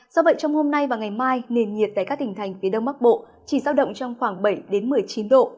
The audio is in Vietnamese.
do vậy trong hôm nay và ngày mai nền nhiệt tại các tỉnh thành phía đông bắc bộ chỉ giao động trong khoảng bảy một mươi chín độ